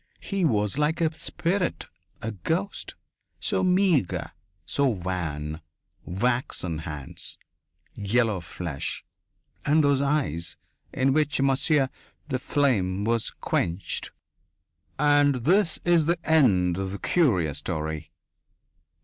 "He was like a spirit a ghost. So meagre! So wan! Waxen hands. Yellow flesh. And those eyes, in which, monsieur, the flame was quenched!" And this is the end of the curious story....